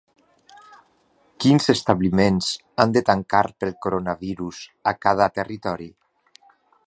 Quins establiments han de tancar pel coronavirus a cada territori?